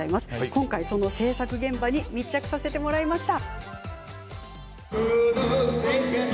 今回その制作現場に密着させてもらいました。